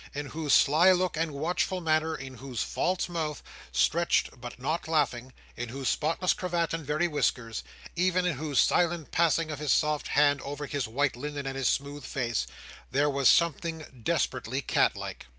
In whose sly look and watchful manner; in whose false mouth, stretched but not laughing; in whose spotless cravat and very whiskers; even in whose silent passing of his soft hand over his white linen and his smooth face; there was something desperately cat like.